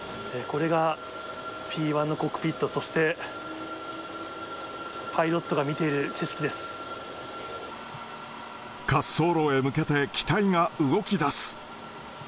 これがＰー１のコックピット、そして、パイロットが見ている景滑走路へ向けて、機体が動きだす。